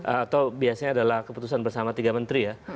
atau biasanya adalah keputusan bersama tiga menteri ya